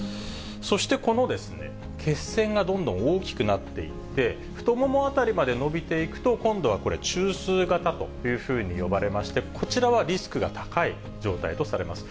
そしてこの血栓がどんどん大きくなっていって、太もも辺りまでのびていくと、今度はこれ、中枢型というふうに呼ばれまして、こちらはリスクが高い状態とされます。